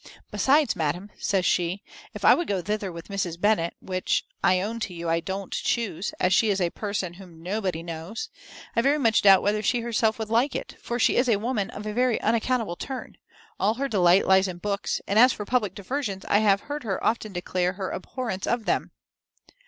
"Besides, madam," says she, "if I would go thither with Mrs. Bennet, which, I own to you, I don't chuse, as she is a person whom nobody knows, I very much doubt whether she herself would like it; for she is a woman of a very unaccountable turn. All her delight lies in books; and as for public diversions, I have heard her often declare her abhorrence of them."